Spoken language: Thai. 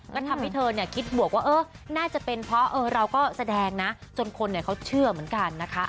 ก็ทำให้เธอคิดบวกว่าน่าจะเป็นเพราะเราก็แสดงนะจนคนเขาเชื่อเหมือนกันนะคะ